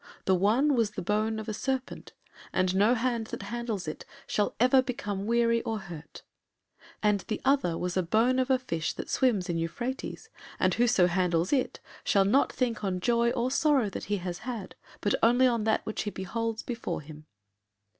The one was the bone of a serpent, and no hand that handles it shall ever become weary or hurt; and the other was a bone of a fish that swims in Euphrates, and whoso handles it shall not think on joy or sorrow that he has had, but only on that which he beholds before him.